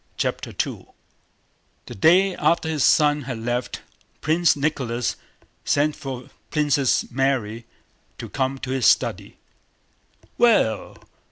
CHAPTER II The day after his son had left, Prince Nicholas sent for Princess Mary to come to his study. "Well?